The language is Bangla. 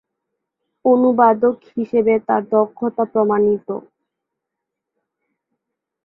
অনুবাদক হিসাবে তার দক্ষতা প্রমাণিত।